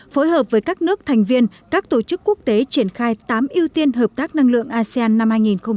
phối hợp với các nước thành viên các tổ chức quốc tế triển khai tám ưu tiên hợp tác năng lượng asean năm hai nghìn hai mươi